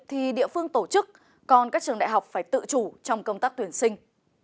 thì địa phương tổ chức còn các trường đại học phải tự chủ trong công tác tuyển sinh